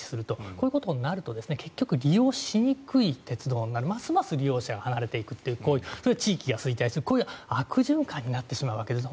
こういうことになると結局、利用しにくい鉄道になってますます利用者が離れていくそれで地域が衰退するこういう悪循環になってしまうわけです。